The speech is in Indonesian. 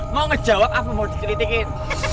mau ngejawab apa mau ditelitikin